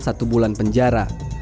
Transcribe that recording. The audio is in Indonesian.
satu bulan penjara